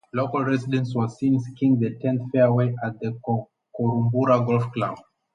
Local residents were seen skiing the tenth fairway at the Korumburra Golf Club.